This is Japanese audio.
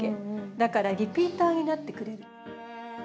だからリピーターになってくれる。